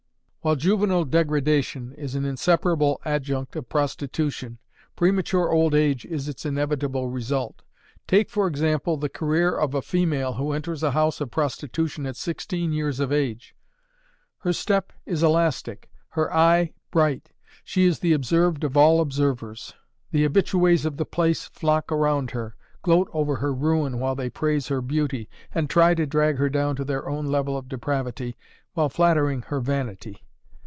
While juvenile degradation is an inseparable adjunct of prostitution, premature old age is its invariable result. Take, for example, the career of a female who enters a house of prostitution at sixteen years of age. Her step is elastic, her eye bright, she is the "observed of all observers." The habitués of the place flock around her, gloat over her ruin while they praise her beauty, and try to drag her down to their own level of depravity while flattering her vanity.